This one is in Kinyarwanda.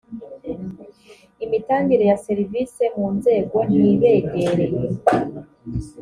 imitangire ya serivisi mu nzego ntibegereye